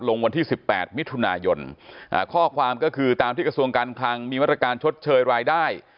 ลงวันที่๑๘มิถุนายนข้อความก็คือตามที่กระทรวงการคลังมีมาตรการชดเชยรายได้